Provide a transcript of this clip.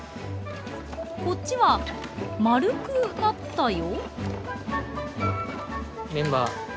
こっちは丸くなったよ？